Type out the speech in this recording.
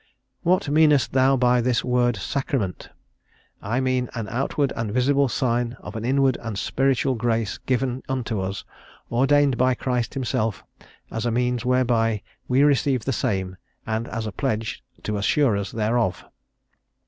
"What meanest thou by this word sacrament? I mean an outward and visible sign of an inward and spiritual grace given unto us, ordained by Christ himself, as a means whereby we receive the same, and as a pledge to assure us thereof."